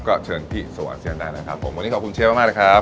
ก็เชิญพี่สวรรค์เซียนได้นะครับผมวันนี้ขอบคุณเชียวมากครับ